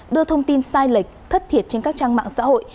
đưa thông tin sai lệch thất thiệt trên các trang mạng xã hội